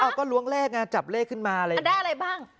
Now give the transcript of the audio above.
อ้าวก็ล้วงเลขน่ะจับเลขขึ้นมาอะไรอันได้อะไรบ้าง